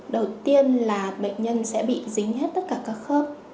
đầu tiên là bệnh nhân sẽ bị dính hết tất cả các khớp